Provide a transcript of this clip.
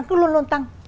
cứ luôn luôn tăng